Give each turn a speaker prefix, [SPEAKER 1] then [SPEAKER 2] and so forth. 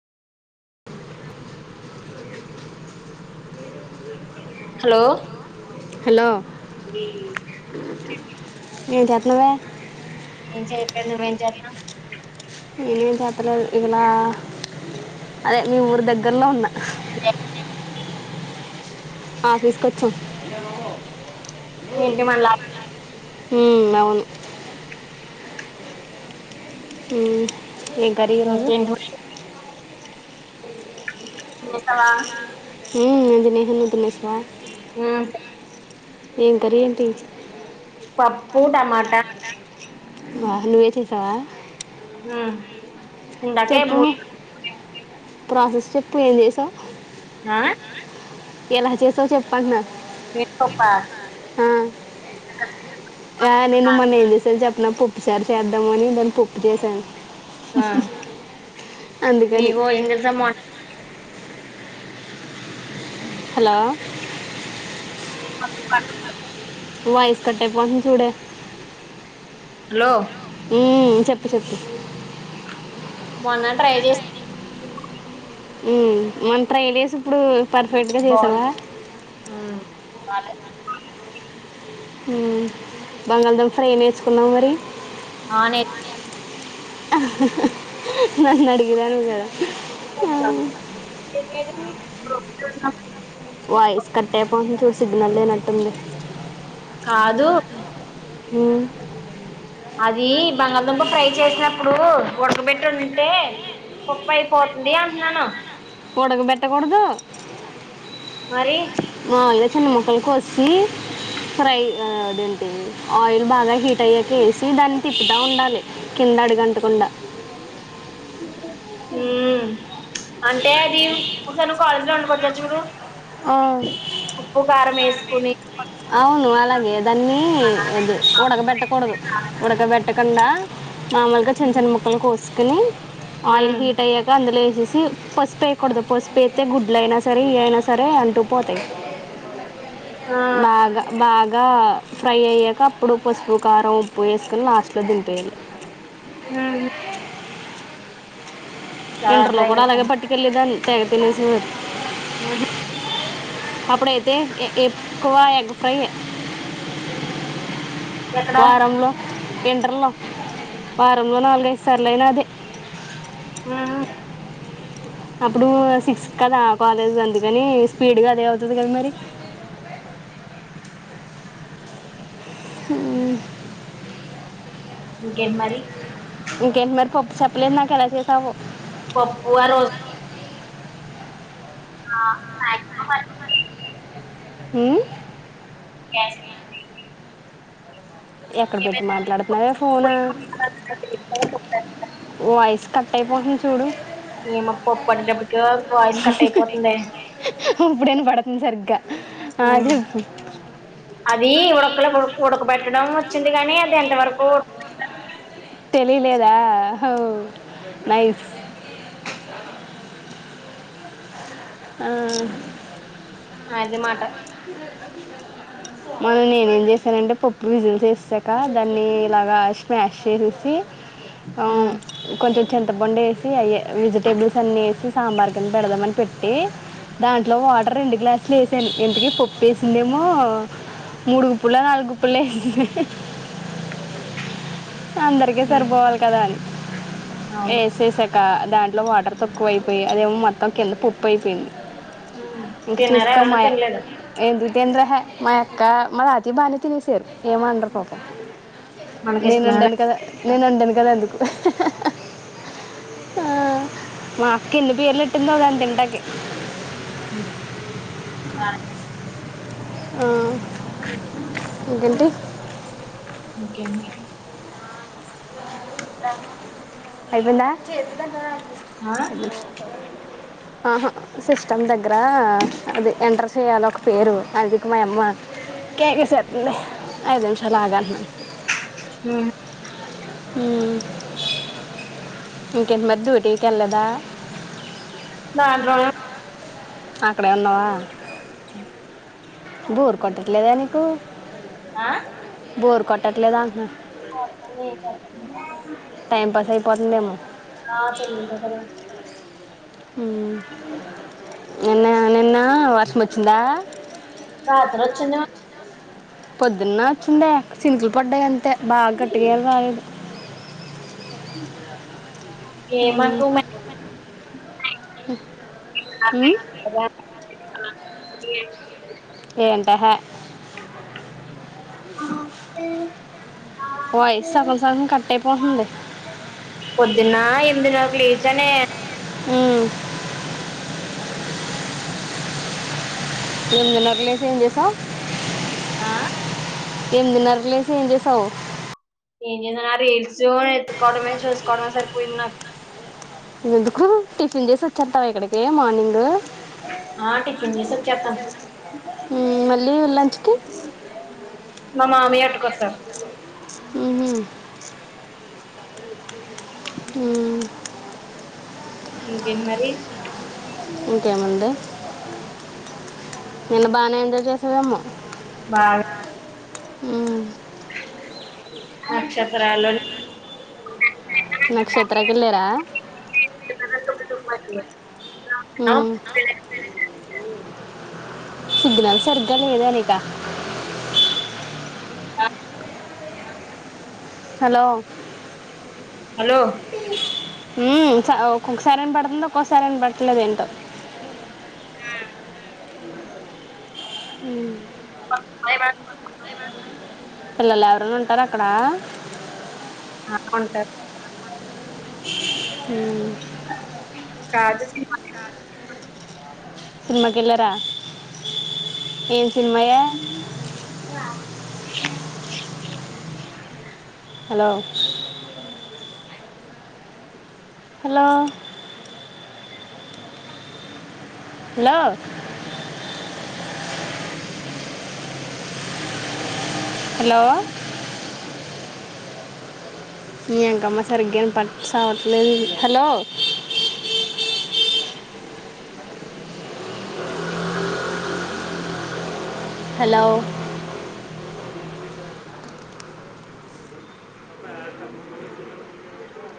[SPEAKER 1] Hello
[SPEAKER 2] hello ఏ జత్నవే
[SPEAKER 1] ఏంచెయట్లే ను ఏం చేత్నవ్
[SPEAKER 2] నేనేం చేతలేదు ఇలా అదే మీ ఊరు దగ్గర్లో ఉన్న
[SPEAKER 1] ఆ
[SPEAKER 2] ఆఫీసు కొచ్చం
[SPEAKER 1] ఏంటి మనలా
[SPEAKER 2] హ అవును హ ఏం కర్రీ ఈరోజు
[SPEAKER 1] ఇంకేంటి మరి లేస్నవా
[SPEAKER 2] ఊ [inaudible] నిద్ర లేశ్నవా
[SPEAKER 1] ఊ
[SPEAKER 2] ఏం కర్రీ ఏంటి
[SPEAKER 1] పప్పు టమాటా.
[SPEAKER 2] బ్బా నువ్వే చేసావా.
[SPEAKER 1] ఊ ఇందాకే
[SPEAKER 2] చెప్పు
[SPEAKER 1] మూడ్
[SPEAKER 2] ప్రాసెస్ చెప్పు ఏం చేశావ్.
[SPEAKER 1] ఆ
[SPEAKER 2] ఎలా చేసావు చెప్పు అంటున్న.
[SPEAKER 1] మినపప్పా
[SPEAKER 2] ఆ ఆ నేను మొన్న ఏంచేసాన్ చెప్పన్ న పప్పు సారు చేద్దాము అని దాన్ని పప్పు చేసాను.
[SPEAKER 1] ఆ నీ
[SPEAKER 2] అందుకని
[SPEAKER 1] భోజన తెలుసమ్మా
[SPEAKER 2] హలో
[SPEAKER 1] అ
[SPEAKER 2] వయిస్ కట్టైపోతుంది చూడు
[SPEAKER 1] హలో
[SPEAKER 2] ఉమ్ చెప్పు చెప్పు.
[SPEAKER 1] మొన్న ట్రై చేస్
[SPEAKER 2] ఊ మొన్న ట్రైచేసి ఇప్పుడు ఫర్ఫెక్ట్గా చేసావా.
[SPEAKER 1] పాట
[SPEAKER 2] ఊ బంగాళదుంప ఫ్రై నేర్చుకున్నావ మరి
[SPEAKER 1] ఆ నేర్
[SPEAKER 2] నన్ను అడిగేదానివి గదా వాయిస్ కట్ అయిపోతుంది చూడు సిగ్నల్ లేనట్టుంది.
[SPEAKER 1] కాదు.
[SPEAKER 2] ఊ.
[SPEAKER 1] అది బంగాళదుంప ఫ్రై చేసినప్పుడు ఉడకబెట్టి ఉంటే పొప్పై అయిపోతుంది అంటున్నాను
[SPEAKER 2] ఒడక బెట్ట కూడదు.
[SPEAKER 1] మరి
[SPEAKER 2] మామూలుగా చిన్న ముక్కలు కోస్ టీ ఫ్రై ఆ దేంటి. ఆయిల్ బాగా హీట్ అయ్యాకేసి దాన్ని తిప్పుతా ఉండాలి. కింద అడుగంటకుండ.
[SPEAKER 1] ఊ అంటే అది ఒక సారి నువ్వు కాలేజ్ ఉన్న వచ్చా చూడు.
[SPEAKER 2] ఆ
[SPEAKER 1] ఉప్పు కారం వేసుకుని
[SPEAKER 2] అవును అలాగ్ దాన్ని
[SPEAKER 1] అలానే
[SPEAKER 2] అద్
[SPEAKER 1] పప్పు
[SPEAKER 2] ఉడకబెట్టకూడదు.
[SPEAKER 1] వేసుకుని.
[SPEAKER 2] ఉడకబెట్ట కుండా మామలుగా చిన్న
[SPEAKER 1] ఉమ్
[SPEAKER 2] చిన్న ముక్కలు కోసి కానీ ఆయిల్
[SPEAKER 1] ఉమ్
[SPEAKER 2] హీట్ అయ్యాక అందులో వేసే పసుపు ఎయకూడదు పసుపు ఎస్తేతే గుడ్ల అయినా సరే ఎయయినా సే సరే అంటూ పోతాయి
[SPEAKER 1] ఆ
[SPEAKER 2] బాగ బాగా ఫ్రై అయ్యాక అప్పుడు పసుపు కారం ఉప్పు వేసుకొని లాస్ట్లో దింపేయి
[SPEAKER 1] హు
[SPEAKER 2] ఇంటర్లో
[SPEAKER 1] ట్రై
[SPEAKER 2] కూడా అలాగే
[SPEAKER 1] చేస్తాను
[SPEAKER 2] పట్టుకెళ్ళలేదాన్ని తెగ తినేసేవారు
[SPEAKER 1] ఉహు
[SPEAKER 2] అప్పుడ ఇతే ఎ ఎం ఎక్కువ ఎగ ఫ్రై
[SPEAKER 1] ఎక్కడ
[SPEAKER 2] వారంలో ఎంటర్లో వారంలో నాలుగైదు సార్లు అయినా అదే
[SPEAKER 1] ఊఊ
[SPEAKER 2] అప్పుడు సిక్స్ కదా కాలేజ్ అందుకని స్పీడ్గా అదే అవుతుంది కదా మరి ఆ
[SPEAKER 1] ఇంకేంటి మరి
[SPEAKER 2] ఇంకేంటి మరి పప్పు చెప్పలే నాకు ఎలా చేసావు
[SPEAKER 1] పప్పు ఆ రోజు ఆ మాక్సిమం
[SPEAKER 2] ఊ
[SPEAKER 1] బస
[SPEAKER 2] ఎక్కడ పెట్టి మాట్లాడుతున్నావే ఫోనా వాయిస్ కట్ అయిపోతుంది చూడు
[SPEAKER 1] ఏమో ప్పప్పు అట ఆ వాయిస్ కట్ అయిపోతుందే
[SPEAKER 2] ఇప్పుడైనా పడుతుంది సరిగ్గా
[SPEAKER 1] ఉమ్
[SPEAKER 2] ఆది
[SPEAKER 1] అది ఉడకులకు ఉడక పెెట్టడం వచ్చింది కానీ అది ఎంత వరకు ఉడ
[SPEAKER 2] తెలియలే ఆ
[SPEAKER 1] ఆ అది మాట
[SPEAKER 2] మనని నేనే ఏం చేసానంటే పప్పు విజిల్ చేసాక దాన్ని ఇలాగా స్మాష్ చేసేసి అ
[SPEAKER 1] ఉమ్
[SPEAKER 2] కొంచెం చింతపండే అయ్య వెజిటేబుల్స్ అన్ని వేసి సాంబార్ కింద పెడదామని పెట్టి దాంట్లో వాటర్ రెండు గ్లాస్ లే వేసాను ఎంతకీ పప్పు వేసిందేమో మూడుగుప్పులా నాలుగుగుప్పుల్లో వేసింది అందరికే
[SPEAKER 1] ఉమ్
[SPEAKER 2] సరిపోవాలి కదా అని ఏ
[SPEAKER 1] అవును
[SPEAKER 2] శేసక్క దాంట్లో వాటర్ తక్కువైపోయి అదేమో మొత్తం కింద పుప్పు అయిపోయింది
[SPEAKER 1] హు తిన్నారా ఎవరన్న తినలేదా
[SPEAKER 2] తిన్నారాహే మా యక్క మా దాతి బానే తినసారు ఏమనాలి పాపం
[SPEAKER 1] మనకి
[SPEAKER 2] నేను
[SPEAKER 1] ఇష్టమైనోళ్ళు
[SPEAKER 2] ఉండను కదా నేను ఉండను కదా ఎందుకు హహహ ఆ అక్క ఎన్ని పేర్లు ఎట్టిందో దాన్ని తింటకి ఆ ఇంకేంటి
[SPEAKER 1] ఇంకేమీ
[SPEAKER 2] అయిపోయిందా
[SPEAKER 1] ఆ
[SPEAKER 2] అలీ ఆహా సిస్టమ్ దగ్గర అది ఎంటర్ చేయలి ఒక పేరు అందుకు మా అమ్మ కేకీసేతుంది ఐదు నిమిషాలు ఆగాంటన్నాను
[SPEAKER 1] హు
[SPEAKER 2] ఊ ఇంకేంటి మరి డ్యూటీకి వెళ్ళదా
[SPEAKER 1] దాంట్లోను
[SPEAKER 2] అక్కడే ఉన్నావా బోర్ కొట్టట్లేదని కొ
[SPEAKER 1] ఆ
[SPEAKER 2] బోర్ కొట్టట్లేదా అంటున్న
[SPEAKER 1] కొడతాంది ఏం చేద్దాం మరి
[SPEAKER 2] టైంపాస్ అయిపోతుందేమో
[SPEAKER 1] ఆ
[SPEAKER 2] ఉహు నిన్న నిన్న ఆ వర్షం వచ్చిందా
[SPEAKER 1] రాత్రి వచ్చింది
[SPEAKER 2] పొద్దున్న వచ్చిండే చినుకులు పడ్డాయి అంతే బాగ గట్టిగేమ్ రాలేదు
[SPEAKER 1] మాకు ఏమా
[SPEAKER 2] ఉమ్. ఉమ్.
[SPEAKER 1] [inaudible] ఏ-
[SPEAKER 2] ఏంటహయ్ వాయిస్
[SPEAKER 1] ఆఫిల్
[SPEAKER 2] సగం సగం కట్ అయిపోతుంది
[SPEAKER 1] పొద్దున్న ఎమిదిన్నరకు లేచనే
[SPEAKER 2] ఊ ఎనిమిదినరికి లేచి ఏం చేసావ్
[SPEAKER 1] ఆ
[SPEAKER 2] ఎనిమిదినరికి లేచి ఏం చేసావ్
[SPEAKER 1] ఏమ్ చేసాన రిల్స్ ఎత్తుకోవడమే చూసుకోవడమే సరిపోయింది నాకు
[SPEAKER 2] ఎందుకు టిఫిన్ చేసి వచ్చేస్తావా ఇక్కడికి మార్నింగ్
[SPEAKER 1] ఆ టిఫిన్ చేసి వచ్చేస్తాను
[SPEAKER 2] హు మళ్ళీ లంచ్ కి మా మామయ్య పట్టుకొతాడు మ్ హు ఊ
[SPEAKER 1] ఇంకేంటి మరి
[SPEAKER 2] ఇంకేముంది బానే ఎంజాయ్ చేశ్యావేమో
[SPEAKER 1] బా
[SPEAKER 2] ఉమ్
[SPEAKER 1] అచ్చం రాలోనికి
[SPEAKER 2] నక్షత్రకేళ్లేరా ఊ [inaudible] సిగ్నల్ సరిగ్గా లేదా నీకు హలో
[SPEAKER 1] హలో పి
[SPEAKER 2] ఊ స ఒక్కొక్కసారెమో పడుతుంది ఒక్కొక్కసారెమో పట్టతలేదు ఏంటో
[SPEAKER 1] హు [unintelligible]
[SPEAKER 2] ఊ
[SPEAKER 1] మా బాయ్ మా
[SPEAKER 2] పిల్లలు ఎవరనా ఉంటారా అక్కడ
[SPEAKER 1] ఆ ఉంట
[SPEAKER 2] హు
[SPEAKER 1] క కా [unintelligible]
[SPEAKER 2] సినిమా కేలారా ఏం సినిమయే హలో హలో హలో హలో ని ఎంకమ్మ సరిగ్గాని పట్టుసవట్లేదు హలో హలో